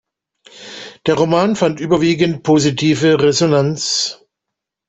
Der Roman fand überwiegend positive Resonanz.